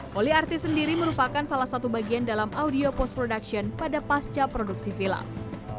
poli artis sendiri merupakan salah satu bagian dalam audio post production pada pasca produksi film